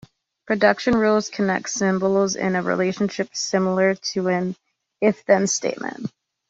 Production rules connect symbols in a relationship similar to an If-Then statement.